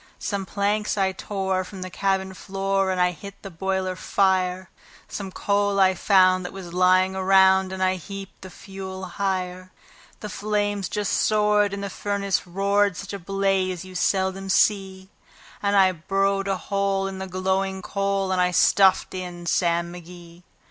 Some planks I tore from the cabin floor, and I lit the boiler fire; Some coal I found that was lying around, and I heaped the fuel higher; The flames just soared, and the furnace roared such a blaze you seldom see; And I burrowed a hole in the glowing coal, and I stuffed in Sam McGee.